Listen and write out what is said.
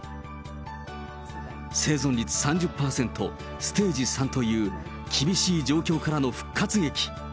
生存率３０％、ステージ３という、厳しい状況からの復活劇。